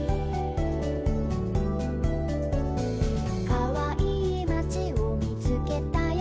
「かわいいまちをみつけたよ」